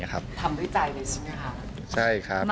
ทำด้วยใจเลยสินะครับ